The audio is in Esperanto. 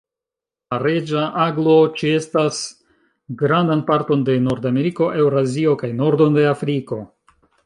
La Reĝa aglo ĉeestas grandan parton de Nordameriko, Eŭrazio kaj nordon de Afriko.